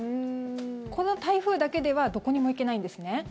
この台風だけではどこにも行けないんですね。